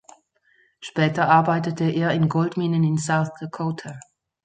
Später arbeitete er in Goldminen in South Dakota.